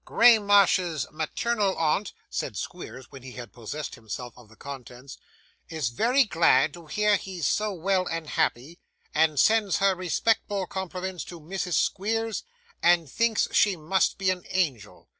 'Graymarsh's maternal aunt,' said Squeers, when he had possessed himself of the contents, 'is very glad to hear he's so well and happy, and sends her respectful compliments to Mrs. Squeers, and thinks she must be an angel.